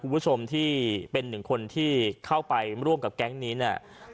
คุณผู้ชมที่เป็นหนึ่งคนที่เข้าไปร่วมกับแก๊งนี้เนี่ย